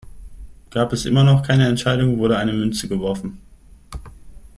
Gab es immer noch keine Entscheidung, wurde eine Münze geworfen.